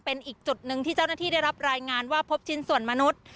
เป็นอีกจุดหนึ่งที่เจ้าหน้าที่ได้รับรายงานว่าพบชิ้นส่วนมนุษย์